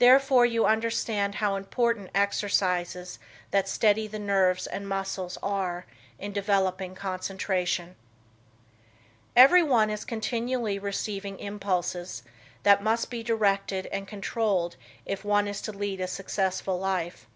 Therefore you understand how important exercises that steady the nerves and muscles are in developing concentration. Everyone is continually receiving impulses that must be directed and controlled if one is to lead a successful life.